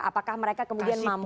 apakah mereka kemudian mampu